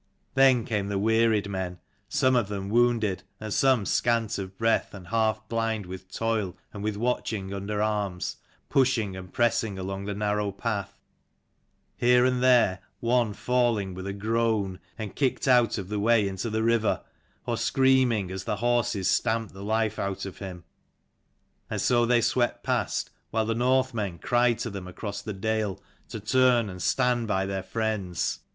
Then came the wearied men, some of them wounded and some scant of breath and half blind with toil and with watching under arms, pushing and pressing along the narrow path; here and there one falling with a groan, and kicked out of the way into the river, or screaming as the horses stamped the life out of him. And so they swept past, while the Northmen cried to them across the dale to turn and stand by their friends.